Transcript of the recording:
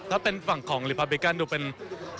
ถ้าเป็นฝั่งของริปรับบริกันดูเป็นราดิคอล